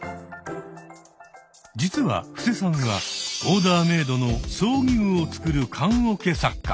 実は布施さんはオーダーメードの葬儀具を作る棺桶作家。